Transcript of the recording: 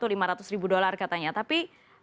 lima ratus ribu dolar katanya tapi